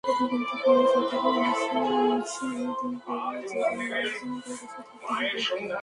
কিন্তু পরে শর্ত দেয়, নাশিদের পরিবারের যেকোনো একজনকে দেশে থাকতে হবে।